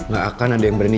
gak akan ada yang berani